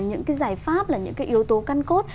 những cái giải pháp là những cái yếu tố căn cốt